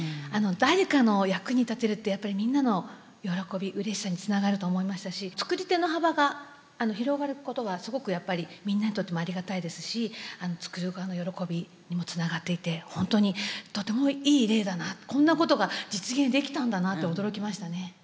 誰かの役に立てるってやっぱりみんなの喜びうれしさにつながると思いましたし作り手の幅が広がることはすごくやっぱりみんなにとってもありがたいですし作る側の喜びにもつながっていて本当にとてもいい例だなこんなことが実現できたんだなって驚きましたね。